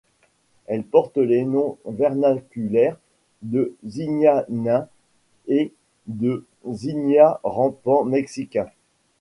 Elle porte les noms vernaculaires de Zinnia nain et de Zinnia rampant mexicain.